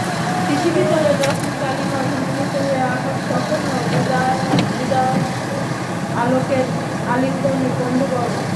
পৃথিবীতলে রাত্রির কালিমা ঘনীভূত হইল–আকাশ তখনো বিদায়োন্মুখ আলোকের আলিঙ্গনে পাণ্ডুবর্ণ।